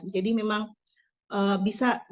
jadi memang bisa diperhatikan